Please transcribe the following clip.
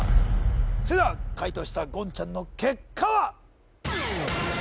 それでは解答した言ちゃんの結果は？